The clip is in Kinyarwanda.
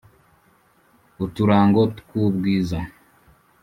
uturango tw’ubwiza,